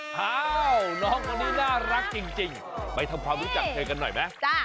อ้าวน้องคนนี้น่ารักจริงไปทำความรู้จักเธอกันหน่อยไหม